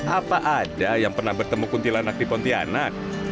apa ada yang pernah bertemu kuntilanak di pontianak